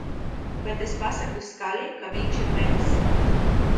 Bet es pasaku skaļi, ka viņš ir melis.